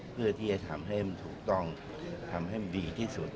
เพื่อที่จะทำให้มันถูกต้องทำให้มันดีที่สุด